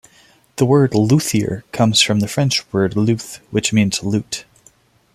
The word "luthier" comes from the French word "luth", which means lute.